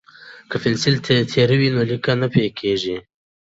که پنسل تیره وي نو لیکنه نه پیکه کیږي.